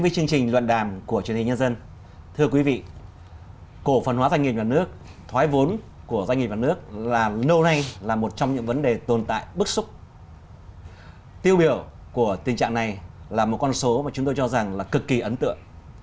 tiêu biểu của tình trạng này là một con số mà chúng tôi cho rằng là cực kỳ ấn tượng